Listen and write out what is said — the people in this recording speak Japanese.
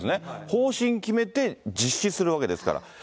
方針決めて、実施するわけですから。